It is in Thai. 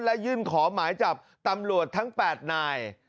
และยื่นขอหมายจับตำรวจทั้ง๘นาย